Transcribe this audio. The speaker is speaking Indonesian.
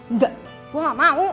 nggak gue gak mau